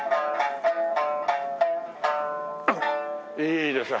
いいですね